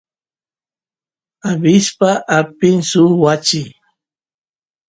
abispa apin suk wachi